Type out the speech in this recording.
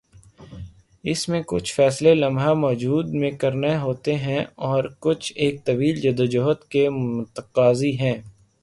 اس میں کچھ فیصلے لمحہ موجود میں کرنا ہوتے ہیں اور کچھ ایک طویل جدوجہد کے متقاضی ہیں۔